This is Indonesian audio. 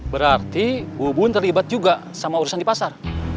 berarti bu bun terlibat juga sama urusan di pasar